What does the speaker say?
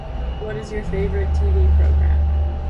What is your favorite tv program?